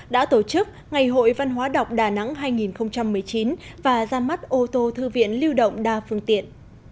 đã tổ chức ngày hội văn hóa đọc đà nẵng hai nghìn một mươi chín và ra mắt ô tô thư viện lưu động đa phương tiện